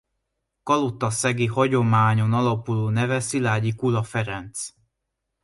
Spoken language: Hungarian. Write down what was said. Kalotaszegi hagyományon alapuló neve Szilágyi Kula Ferenc.